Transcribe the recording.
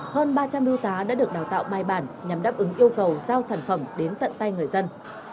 hơn ba trăm linh biêu tá đã được đào tạo bài bản nhằm đáp ứng yêu cầu giao sản phẩm đến tận tay người dân